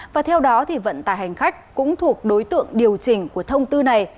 và theo đó vận tải hành khách cũng thuộc đối tượng điều chỉnh của thông tư này